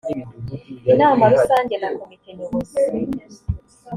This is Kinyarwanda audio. inama rusange na komite nyobozi